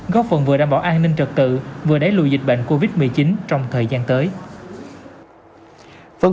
góp phần vừa đảm bảo an ninh trật tự vừa đẩy lùi dịch bệnh covid một mươi chín trong thời gian tới